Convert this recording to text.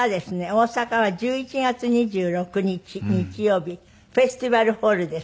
大阪は１１月２６日日曜日フェスティバルホールです。